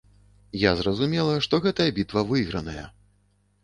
Я зразумела, што гэтая бітва выйграная.